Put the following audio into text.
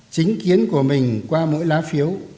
chính kiến của mình qua mỗi lá phiếu